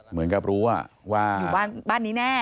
เหมือนกับรู้ว่าอยู่บ้านนี้แน่